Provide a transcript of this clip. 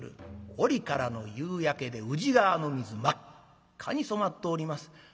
折からの夕焼けで宇治川の水真っ赤に染まっております。